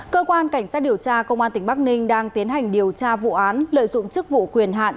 cơ quan cảnh sát điều tra công an tỉnh bắc ninh đang tiến hành điều tra vụ án lợi dụng chức vụ quyền hạn